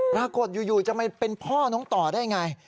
ปรากฏอยู่จะมาเป็นพ่อน้องต่อได้ไง